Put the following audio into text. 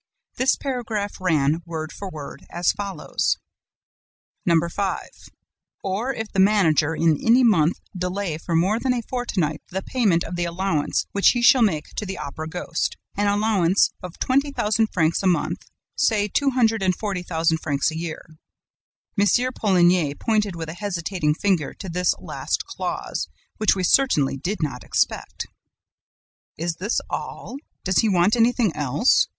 This paragraph ran, word for word, as follows: "'5. Or if the manager, in any month, delay for more than a fortnight the payment of the allowance which he shall make to the Opera ghost, an allowance of twenty thousand francs a month, say two hundred and forty thousand francs a year.' "M. Poligny pointed with a hesitating finger to this last clause, which we certainly did not expect. "'Is this all? Does he not want anything else?'